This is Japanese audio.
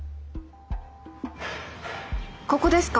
ここですか？